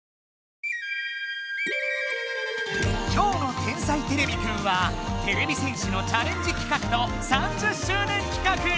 今日の「天才てれびくん」はてれび戦士のチャレンジ企画と３０周年企画！